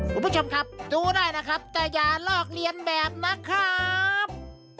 คุณผู้ชมครับดูได้นะครับแต่อย่าลอกเลียนแบบนะครับ